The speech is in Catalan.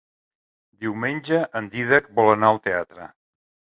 Diumenge en Dídac vol anar al teatre.